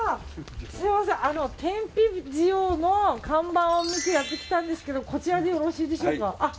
すみません、天日塩の看板を見てやってきたんですけどこちらでよろしいでしょうか。